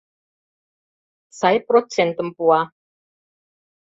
Сай процентым пуа.